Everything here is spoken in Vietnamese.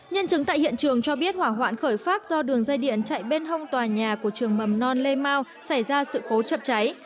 nhân chứng tại hiện trường cho biết hỏa hoạn khởi phát do đường dây điện chạy bên hông tòa nhà của trường mầm non lê mau xảy ra sự cố chập cháy